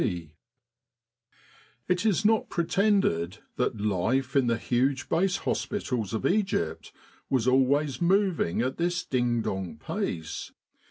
C. It is not pretended that life in the huge Base hos pitals of Egypt was always moving at this ding dong pace.